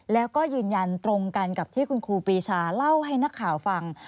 แล้วก็ยืนยันตรงกันกับที่คุณครูปีชาเล่าให้นักข่าวฟัง